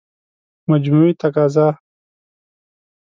مجموعي تقاضا